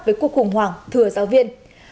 với cuộc khủng hoảng thừa giáo viên